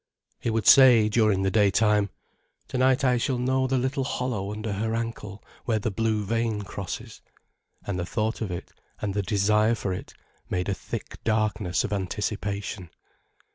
He would say during the daytime: "To night I shall know the little hollow under her ankle, where the blue vein crosses." And the thought of it, and the desire for it, made a thick darkness of anticipation.